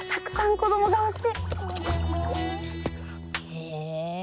へえ。